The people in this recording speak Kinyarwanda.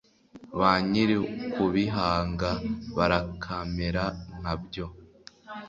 Ba nyir’ukubihanga barakamera nka byo